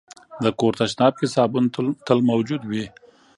د کور تشناب کې صابون تل موجود وي.